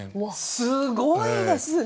すごいですね。